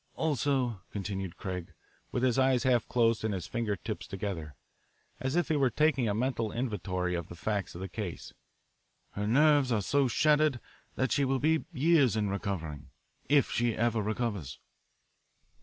"Also," continued Craig, with his eyes half closed and his finger tips together, as if, he were taking a mental inventory of the facts in the case, "her nerves are so shattered that she will be years in recovering, if she ever recovers."